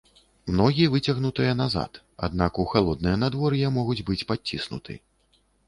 Ногі выцягнутыя назад, аднак у халоднае надвор'е могуць быць падціснуты.